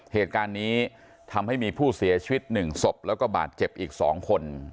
เหตุการณ์นี้ทำให้มีผู้เสียชีวิต๑ศพแล้วก็บาดเจ็บอีก๒คน